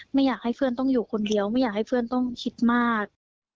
ไม่อยากให้เพื่อนต้องอยู่คนเดียวไม่อยากให้เพื่อนต้องคิดมาก